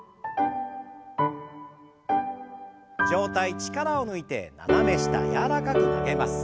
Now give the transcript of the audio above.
上体力を抜いて斜め下柔らかく曲げます。